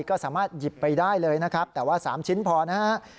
ก็สามารถหยิบไปได้เลยนะครับแต่ว่า๓ชิ้นพอนะฮะ